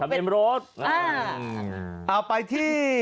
เอาไปที่